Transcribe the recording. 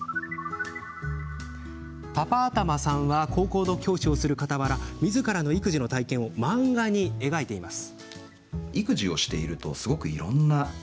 パパ頭さんは高校の教師をするかたわらみずからの育児の体験を漫画に描いています。